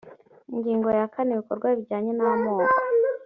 ingingo ya kane ibikorwa bijyanye n amoko